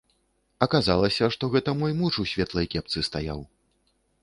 Аказалася, што гэта мой муж, у светлай кепцы стаяў.